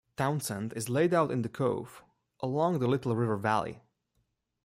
Townsend is laid out in the cove along the Little River valley.